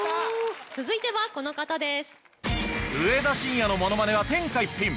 続いてはこの方です。